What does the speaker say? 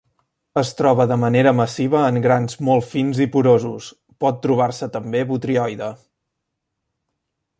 Es troba de manera massiva, en grans molt fins i porosos; pot trobar-se també botrioide.